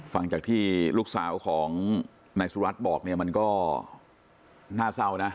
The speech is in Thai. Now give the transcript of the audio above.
ฟังจากที่ลูกสาวของนายสุรัตน์บอกเนี่ยมันก็น่าเศร้านะ